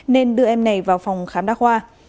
nên đưa em này vào phòng khám đa khoa